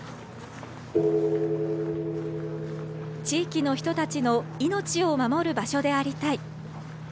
地域の人たちの命を守る場所でありたい。